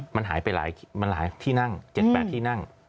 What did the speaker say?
มันหายไปมันหลายที่นั่ง๗๘ที่นั่ง